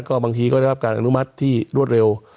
ก็บางทีก็ได้รับการอนุมัติที่รวดเร็ว